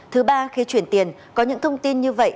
thứ ba khi chuyển tiền có những thông tin như vậy